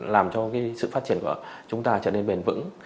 làm cho cái sự phát triển của chúng ta trở nên bền vững